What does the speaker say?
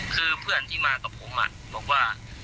คือเพื่อนที่มากับผมบอกว่า